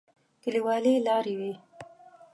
کليوالي لارې وې.